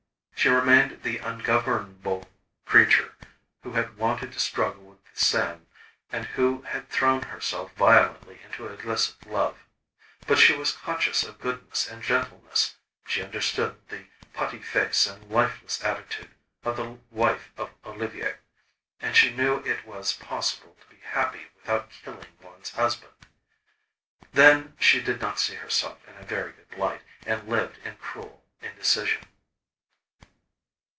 She remained the ungovernable creature who had wanted to struggle with the Seine and who had thrown herself violently into illicit love; but she was conscious of goodness and gentleness, she understood the putty face and lifeless attitude of the wife of Olivier, and she knew it was possible to be happy without killing one's husband. Then, she did not see herself in a very good light, and lived in cruel indecision.